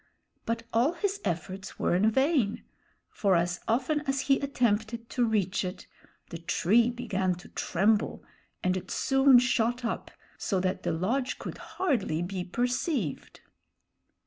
But all his efforts were in vain; for as often as he attempted to reach it, the tree began to tremble, and it soon shot up so that the lodge could hardly be perceived.